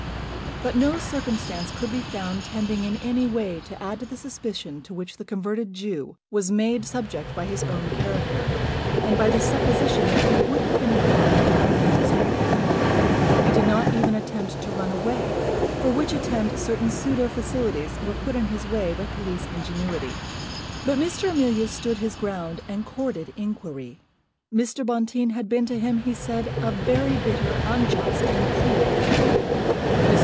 But no circumstance could be found tending in any way to add to the suspicion to which the converted Jew was made subject by his own character, and by the supposition that he would have been glad to get rid of Mr. Bonteen. He did not even attempt to run away, for which attempt certain pseudo facilities were put in his way by police ingenuity. But Mr. Emilius stood his ground and courted inquiry. Mr. Bonteen had been to him, he said, a very bitter, unjust, and cruel enemy. Mr.